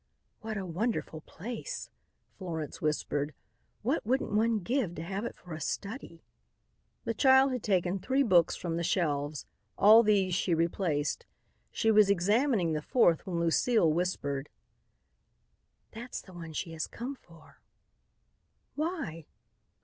"What a wonderful place!" Florence whispered. "What wouldn't one give to have it for a study?" The child had taken three books from the shelves. All these she replaced. She was examining the fourth when Lucile whispered, "That's the one she has come for." "Why?"